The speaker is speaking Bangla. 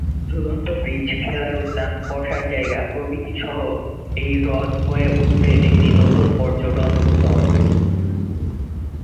ঝুলন্ত ব্রিজ, খেলার উদ্যান, বসার জায়গা প্রভৃতি সহ এই হ্রদ হয়ে উঠবে একটি নতুন পর্যটন স্থল।